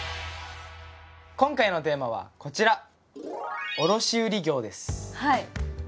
今回のテーマはこちらはい卸売業。